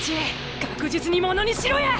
確実にものにしろや！